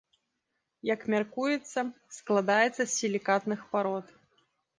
Як мяркуецца, складаецца з сілікатных парод.